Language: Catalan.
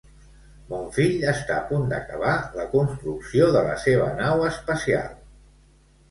Mon fill està a punt d'acabar la construcció de la seva nau espacial.